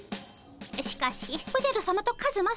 しかしおじゃるさまとカズマさま